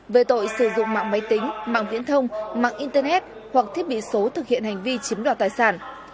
về tội sử dụng mạng máy tính mạng viễn thông mạng internet hoặc thiết bị số thực hiện hành vi chiếm đoạt tài sản